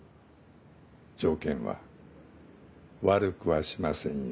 条件は悪くはしませんよ。